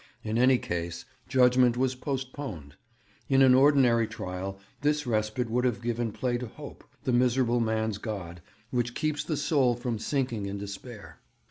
In any case, judgement was postponed. In an ordinary trial this respite would have given play to hope, the miserable man's god, which keeps the soul from sinking in despair.